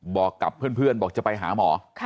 บอกกับเพื่อนบอกจะไปหาหมอ